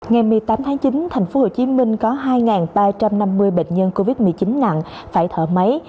ngày một mươi tám tháng chín thành phố hồ chí minh có hai ba trăm năm mươi bệnh nhân covid một mươi chín nặng phải thở máy